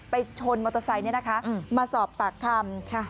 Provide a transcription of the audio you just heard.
ชนมอเตอร์ไซค์มาสอบปากคำ